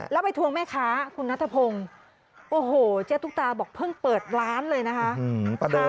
แล้วไปทวงแม่ค้าคุณนัทพงศ์โอ้โหเจ๊ตุ๊กตาบอกเพิ่งเปิดร้านเลยนะคะ